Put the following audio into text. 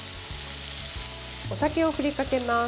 お酒を振りかけます。